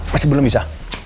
masih belum bisa